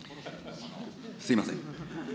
すみません。